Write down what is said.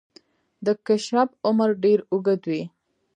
د کیشپ عمر ډیر اوږد وي